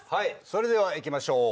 それではいきましょう。